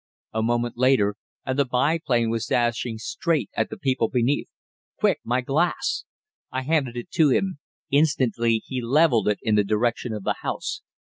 A moment later, and the biplane was dashing straight at the people beneath. "Quick! My glass." I handed it to him. Instantly he levelled it in the direction of the house.